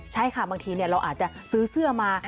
ใช่ค่ะบางทีเราอาจจะซื้อเสื้อมา